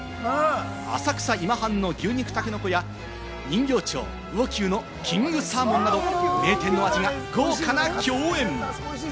浅草今半の牛肉たけのこや、人形町・魚久のキングサーモンなど、名店の味が豪華な競演！